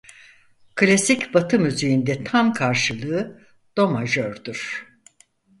Klasik Batı müziğinde tam karşılığı do-majördür.